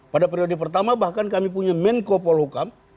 pada periode pertama bahkan kami punya menko polhukam